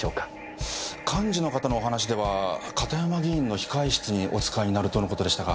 幹事の方のお話では片山議員の控室にお使いになるとの事でしたが。